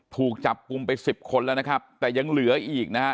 ถูกจับกลุ่มไปสิบคนแล้วนะครับแต่ยังเหลืออีกนะฮะ